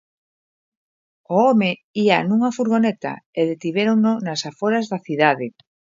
O home ía nunha furgoneta e detivérono nas aforas da cidade.